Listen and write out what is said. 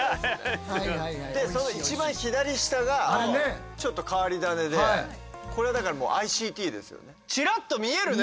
でその一番左下がちょっと変わり種でこれはだからチラッと見えるね。